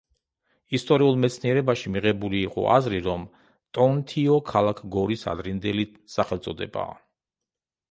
ისტორიულ მეცნიერებაში მიღებული იყო აზრი, რომ ტონთიო ქალაქ გორის ადრინდელი სახელწოდებაა.